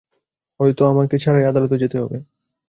হয়ত আমাকে ছাড়াই আদালতে যেতে হবে।